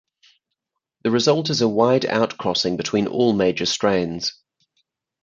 The result is a wide outcrossing between all major strains.